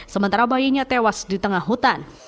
sementara bayinya tewas di tengah hutan